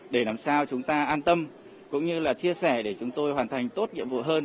để làm sao chúng ta an tâm cũng như là chia sẻ để chúng tôi hoàn thành tốt nhiệm vụ hơn